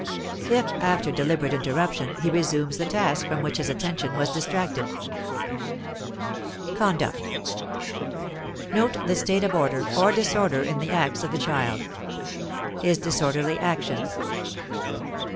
If after deliberate interruption he resumes the task from which his attention was distracted. CONDUCT. Note the state of order or disorder in the acts of the child. His disorderly actions.